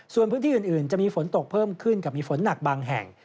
ส่วนพื้นที่อื่นจะมีฝนตกเพิ่มขึ้นกับมีฝนหนักบางแห่ง